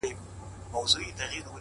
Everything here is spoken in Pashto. • د خدای د عرش قهر د دواړو جهانونو زهر؛